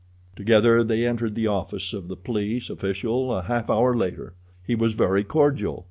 Together they entered the office of the police official a half hour later. He was very cordial.